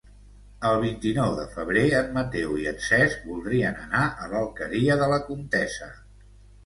El vint-i-nou de febrer en Mateu i en Cesc voldrien anar a l'Alqueria de la Comtessa.